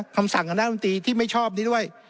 คำสั่งคณะรัฐมนตรีที่ไม่ชอบนี้ด้วย